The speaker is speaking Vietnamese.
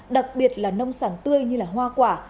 đặc biệt là nông sản tươi như hoa quả